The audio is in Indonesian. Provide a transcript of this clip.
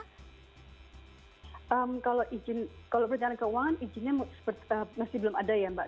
kalau izin kalau perencanaan keuangan izinnya masih belum ada ya mbak